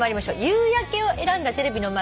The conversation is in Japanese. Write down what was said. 「夕焼け」を選んだテレビの前の皆さん